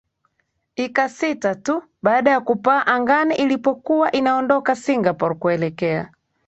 ika sita tu baada ya kupaa angani ilipokuwa inaondoka singapore kuelekea